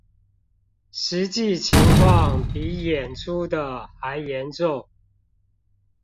實際情況比演出的還嚴重